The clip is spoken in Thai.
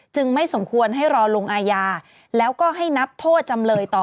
ไม่สมควรให้รอลงอาญาแล้วก็ให้นับโทษจำเลยต่อ